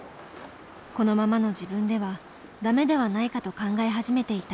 このままの自分ではダメではないかと考え始めていた。